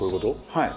はい。